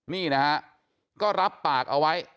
นี่นะฮะก็รับปากเอาไว้